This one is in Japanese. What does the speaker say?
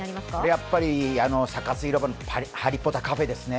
やっぱりサカス広場のハリポタカフェですね。